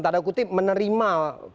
tanda kutip menerima